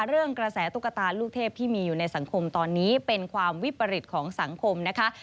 กระแสตุ๊กตาลูกเทพที่มีอยู่ในสังคมตอนนี้เป็นความวิปริตของสังคมนะคะ